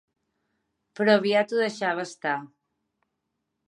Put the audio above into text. Però aviat ho deixava estar.